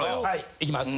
いきます。